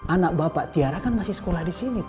anak bapak tiara kan masih sekolah disini pak